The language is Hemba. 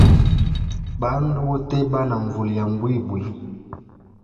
Bandu boteba na nvula ya mbwimbwi.